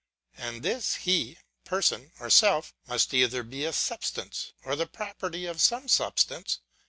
And this he, person, or self, must either be a substance, or the property of some substance.